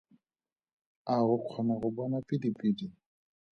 A o kgona go bona pidipidi?